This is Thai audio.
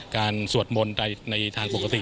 การสวดมนต์ในทางปกติ